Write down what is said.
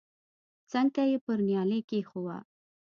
څنگ ته يې پر نيالۍ کښېښوه.